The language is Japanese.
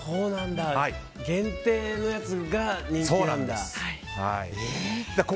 限定のやつが人気なんだ。